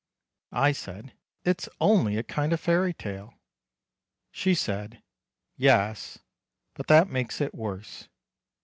I said: "It's only a kind of fairy tale." She said: "Yes; but that makes it worse."